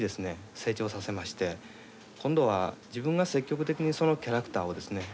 成長させまして今度は自分が積極的にそのキャラクターをですね